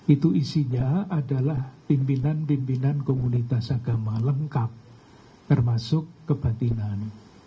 itu isinya adalah pimpinan pimpinan komunitas agama lengkap termasuk kebatinan